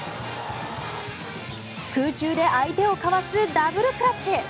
空中で相手をかわすダブルクラッチ。